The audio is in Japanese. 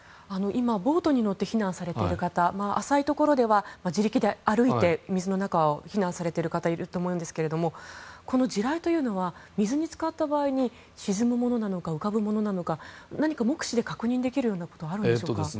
今、ボートに乗って避難されている方浅いところでは自力で歩いて水の中を避難されている方がいると思うんですけどこの地雷というのは水に浸かった場合に沈むものなのか浮かぶものなのか何か目視で確認できることはあるんでしょうか。